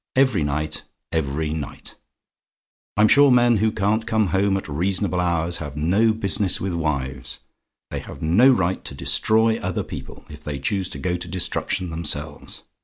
Every night every night! I'm sure, men who can't come home at reasonable hours have no business with wives: they have no right to destroy other people, if they choose to go to destruction themselves.